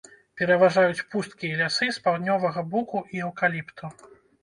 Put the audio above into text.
Пераважаюць пусткі і лясы з паўднёвага буку і эўкаліпту.